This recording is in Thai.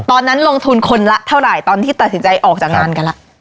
ตอนนั้นลงทุนคนละเท่าไหร่ตอนที่ตัดสินใจออกจากงานกันละ